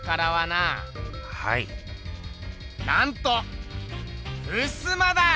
なんとふすまだ！